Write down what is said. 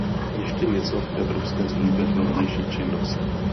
Ještě něco k Evropské službě pro vnější činnost.